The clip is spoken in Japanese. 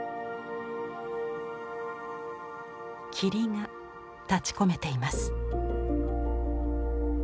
霧が立ちこめています。